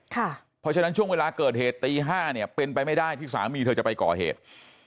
เพราะฉะนั้นช่วงเวลาเกิดเหตุตี๕เนี่ยเป็นไปไม่ได้ที่สามีเธอจะไปก่อเหตุ